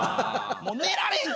「もう寝られん！